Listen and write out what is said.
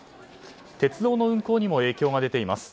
鉄道の運行にも影響が出ています。